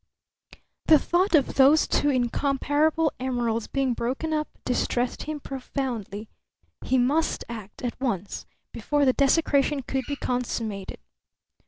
The thought of those two incomparable emeralds being broken up distressed him profoundly. He must act at once, before the desecration could be consummated.